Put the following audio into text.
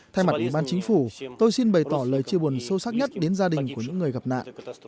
thay mặt ủy ban chính phủ tôi xin bày tỏ lời chia buồn sâu sắc nhất đến gia đình của những người gặp nạn